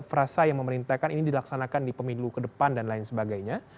frasa yang memerintahkan ini dilaksanakan di pemilu ke depan dan lain sebagainya